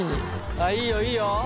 あっいいよいいよ！